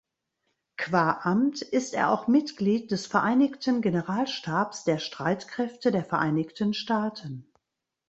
Qua Amt ist er auch Mitglied des Vereinigten Generalstabs der Streitkräfte der Vereinigten Staaten.